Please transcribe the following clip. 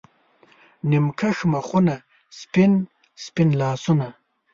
نیم کښ مخونه، سپین، سپین لاسونه